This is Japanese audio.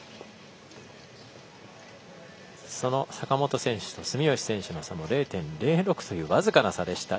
その坂本選手、住吉選手は０．０６という僅かな差でした。